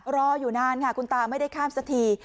รออยู่นานค่ะคุณตาไม่ได้ข้ามสักที